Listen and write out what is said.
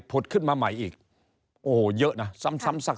ผุดขึ้นมาใหม่อีกโอ้โหเยอะนะซ้ำซัก